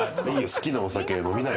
好きなお酒飲みなよ。